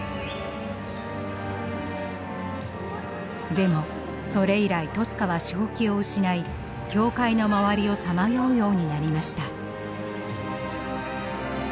でもそれ以来トスカは正気を失い教会の周りをさまようようになりました。